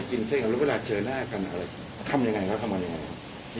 กินเส้นกันแล้วเวลาเจอหน้ากันทำยังไงก็ทำอย่างไร